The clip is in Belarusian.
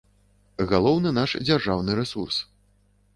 Галоўны наш дзяржаўны рэсурс.